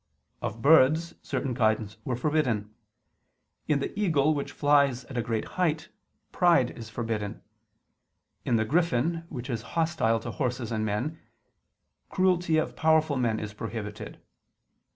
Of birds certain kinds were forbidden. In the eagle which flies at a great height, pride is forbidden: in the griffon which is hostile to horses and men, cruelty of powerful men is prohibited.